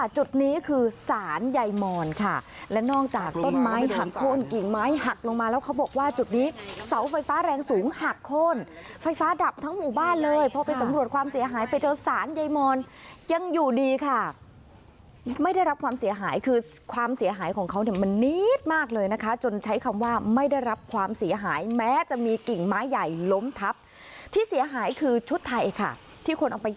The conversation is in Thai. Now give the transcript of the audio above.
จุดนี้คือสารใยมอนค่ะและนอกจากต้นไม้หักโค้นกิ่งไม้หักลงมาแล้วเขาบอกว่าจุดนี้เสาไฟฟ้าแรงสูงหักโค้นไฟฟ้าดับทั้งหมู่บ้านเลยพอไปสำรวจความเสียหายไปเจอสารใยมอนยังอยู่ดีค่ะไม่ได้รับความเสียหายคือความเสียหายของเขาเนี่ยมันนิดมากเลยนะคะจนใช้คำว่าไม่ได้รับความเสียหายแม้จะมีกิ่งไม้ใหญ่ล้มทับที่เสียหายคือชุดไทยค่ะที่คนเอาไป